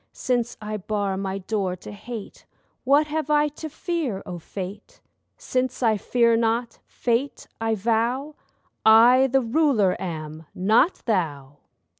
Since I bar my door to Hate, What have I to fear, O Fate? Since I fear not—Fate I vow, I the ruler am, not thou!